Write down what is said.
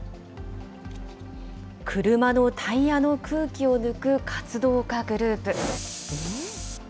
車のタイヤの空気を抜く活動家グループ。